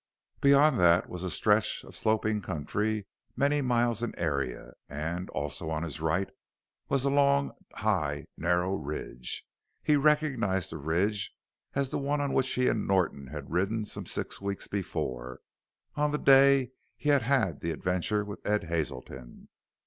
Beyond that was a stretch of sloping country many miles in area, and, also on his right, was a long, high, narrow ridge. He recognized the ridge as the one on which he and Norton had ridden some six weeks before on the day he had had the adventure with Ed Hazelton.